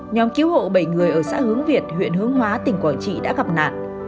nhóm cứu hộ bảy người ở xã hướng việt huyện hướng hóa tỉnh quảng trị đã gặp nạn